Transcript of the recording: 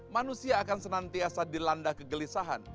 manusia akan senantiasa dilanda kegelisahan